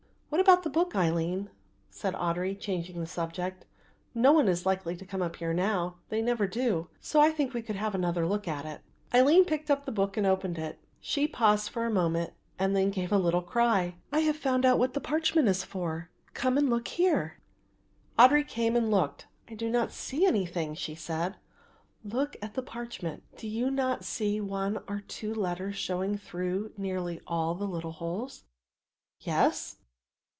"What about the book, Aline?" said Audry, changing the subject; "no one is likely to come up here now, they never do; so I think we could have another look at it." Aline picked up the book and opened it; she paused for a moment and then gave a little cry, "I have found out what the parchment is for; come and look here." Audry came and looked. "I do not see anything," she said. "Look at the parchment; do you not see one or two letters showing through nearly all the little holes?" "Yes."